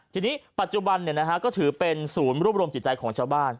ทีนี้ปัจจุบันก็ถือเป็นศูนย์รวบรวมจิตใจของชาวบ้าน